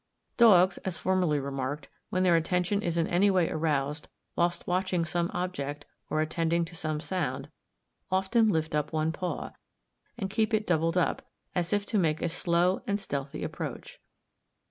Dogs, as formerly remarked, when their attention is in any way aroused, whilst watching some object, or attending to some sound, often lift up one paw (fig. 4) and keep it doubled up, as if to make a slow and stealthy approach.